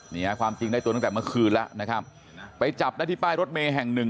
เนี่ยความจริงได้ตัวตั้งแต่เมื่อคืนแล้วนะครับไปจับได้ที่ป้ายรถเมย์แห่งหนึ่ง